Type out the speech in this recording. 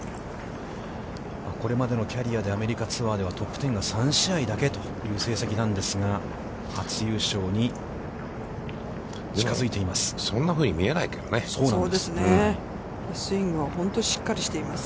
これまでのキャリアでは、アメリカのツアーでは、トップテンが３試合だけという成績なんですが、初優勝に近づいています。